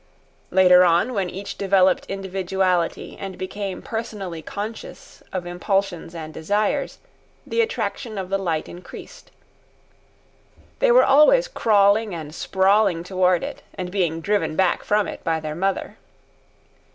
Later on, when each developed individuality and became personally conscious of impulsions and desires, the attraction of the light increased. They were always crawling and sprawling toward it, and being driven back from it by their mother.